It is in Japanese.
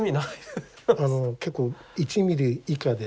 あの結構１ミリ以下で。